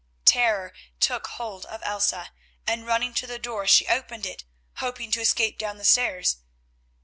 Terror took hold of Elsa, and running to the door she opened it hoping to escape down the stairs.